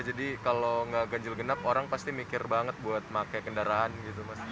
jadi kalau nggak ganjil genap orang pasti mikir banget buat pakai kendaraan gitu mas